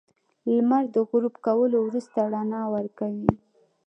• لمر د غروب کولو وروسته رڼا ورکوي.